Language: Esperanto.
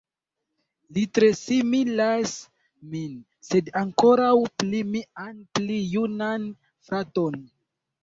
Li tre similas min, sed ankoraŭ pli mian pli junan fraton.